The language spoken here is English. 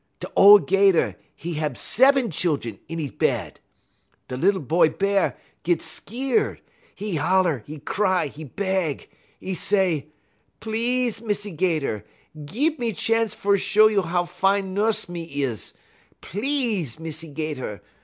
"Da ole 'Gator, 'e hab seben chillun in 'e bed. Da lil boy Bear git skeer; 'e holler, 'e cry, 'e beg. 'E say: "'Please, Missy 'Gator, gib me chance fer show you how fine nuss me is please, Missy 'Gator.